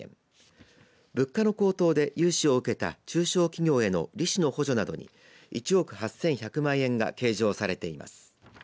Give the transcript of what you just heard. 物価の高騰で融資を受けた中小企業への利子の補助などに１億８１００万円が計上されています。